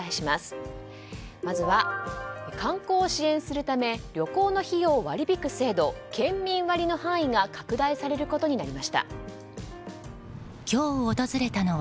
まずは、観光を支援するため旅行の費用を割り引く制度県民割の範囲が拡大されることになりました。